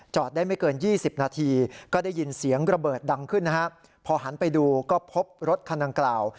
ได้ไม่เกิน๒๐นาทีก็ได้ยินเสียงระเบิดดังขึ้นนะฮะพอหันไปดูก็พบรถคันดังกล่าว